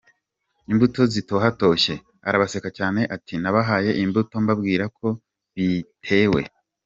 imbuto zitohatoshye, arabaseka cyane ati nabahaye imbuto mbabwira ko bitewe.